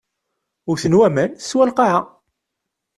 Wten waman teswa lqaɛa.